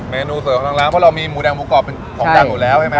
เนนูเสริมของทางร้านเพราะเรามีหมูแดงหมูกรอบเป็นของดังอยู่แล้วใช่ไหม